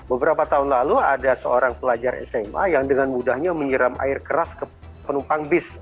beberapa tahun lalu ada seorang pelajar sma yang dengan mudahnya menyiram air keras ke penumpang bis